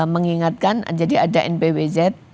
mengingatkan jadi ada npwz